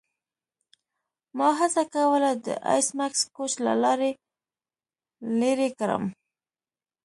ما هڅه کوله د ایس میکس کوچ له لارې لیرې کړم